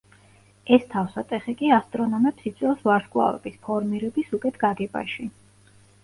ეს თავსატეხი კი ასტრონომებს იწვევს ვარსკვლავების ფორმირების უკეთ გაგებაში.